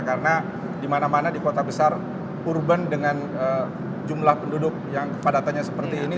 karena dimana mana di kota besar urban dengan jumlah penduduk yang kepadatannya seperti ini